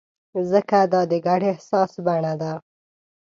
ځکه دا د ګډ احساس بڼه ده.